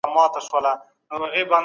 د پيغمبر قول د عمل لپاره دی.